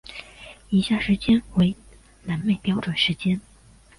以下时间为南美标准时间。